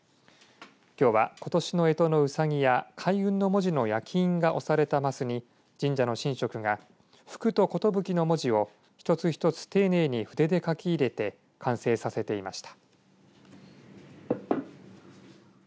きょうはことしのえとのうさぎや開運の文字の焼き印が押された升に神社の神職が福と寿の文字を一つ一つ丁寧に筆で書き入れて完成させていました。